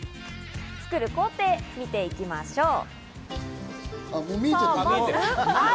作る工程を見ていきましょう。